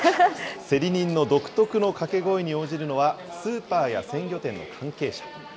競り人の独特の掛け声に応じるのは、スーパーや鮮魚店の関係者。